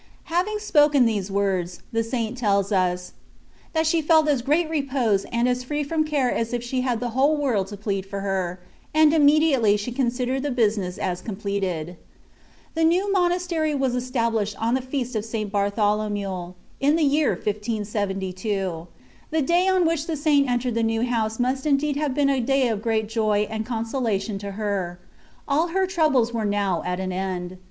Having spoken these words, the Saint tells us, '' That she felt as great repose, and as free from care as if she had the whole world to plead for her ; and imme diately she considered the business as completed."t * See Chapters xxxii. xzxiii. and zxxiv. t Chapter xxxvi. (page 342). VUl PREFACE. The new monastery was established on the Feast of St. Bartholomew, in the year 1572. The day on which the Saint entered the new house must indeed have been a day of great joy and consolation to her. All her troubles were now at an end.